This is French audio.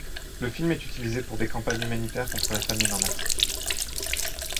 Le film est utilisé pour des campagnes humanitaires contre la famine en Afrique.